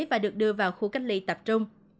và được đưa vào khu cách ly tập trung